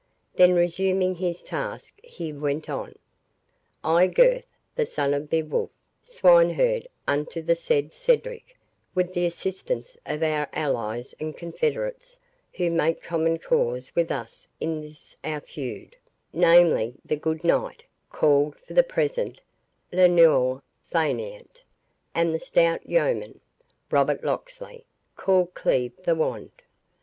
Then resuming his task, he went on,—"I, Gurth, the son of Beowulph, swineherd unto the said Cedric, with the assistance of our allies and confederates, who make common cause with us in this our feud, namely, the good knight, called for the present 'Le Noir Faineant', and the stout yeoman, Robert Locksley, called Cleave the Wand.